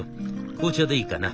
紅茶でいいかな？」。